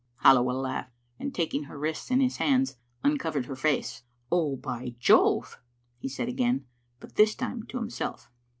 Halliwell laughed, and taking her wrists in his hands, uncovered her face. "Oh, by Jove!" he said again, but this time to himself.